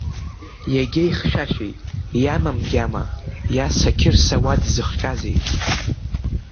Иахьа ихьшәашәеит, иамам гьама, Иаса Қьырса уа дзыхҟьазеи?